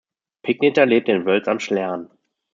Pigneter lebt in Völs am Schlern.